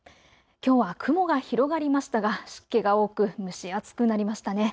きょうは雲が広がりましたが、湿気が多く蒸し暑くなりましたね。